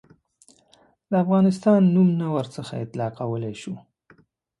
د افغانستان نوم نه ورڅخه اطلاقولای شو.